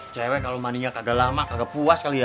cewe quote kalau mandinya biar damals an di puas kali ya